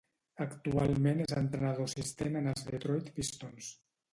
Actualment és entrenador assistent en els Detroit Pistons.